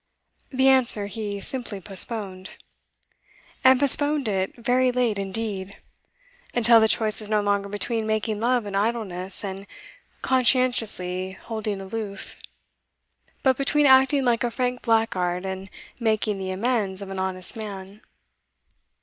The answer he simply postponed. And postponed it very late indeed. Until the choice was no longer between making love in idleness, and conscientiously holding aloof; but between acting like a frank blackguard, and making the amends of an honest man.